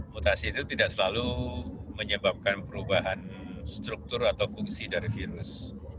mutasi itu tidak selalu menyebabkan perubahan struktur atau fungsi dari virus